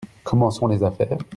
Comment sont les affaires ?